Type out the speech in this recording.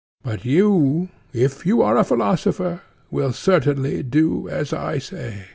But you, if you are a philosopher, will certainly do as I say.